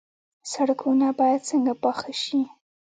سړکونه باید څنګه پاخه شي؟